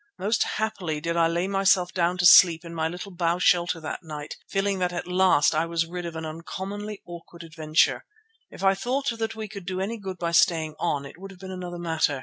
Most happily did I lay myself down to sleep in my little bough shelter that night, feeling that at last I was rid of an uncommonly awkward adventure. If I thought that we could do any good by staying on, it would have been another matter.